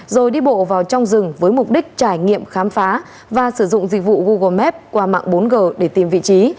rồi đi bộ vào trong rừng với mục đích trải nghiệm khám phá và sử dụng dịch vụ google map qua mạng bốn g để tìm vị trí